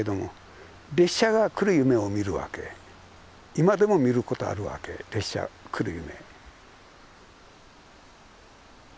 今でも見ることあるわけ列車来る夢。